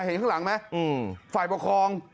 เห็นข้างหลังไหมฝ่ายปกครอง